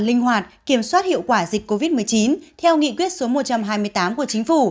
linh hoạt kiểm soát hiệu quả dịch covid một mươi chín theo nghị quyết số một trăm hai mươi tám của chính phủ